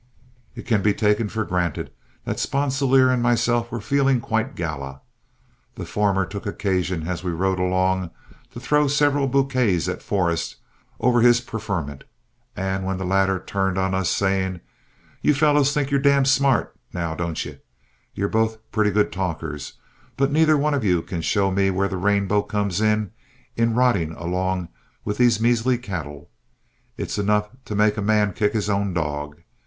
It can be taken for granted that Sponsilier and myself were feeling quite gala. The former took occasion, as we rode along, to throw several bouquets at Forrest over his preferment, when the latter turned on us, saying: "You fellows think you're d d smart, now, don't you? You're both purty good talkers, but neither one of you can show me where the rainbow comes in in rotting along with these measly cattle. It's enough to make a man kick his own dog.